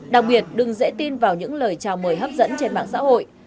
đặc biệt đừng dễ tin vào những lời chào mời hấp dẫn trên mạng xã hội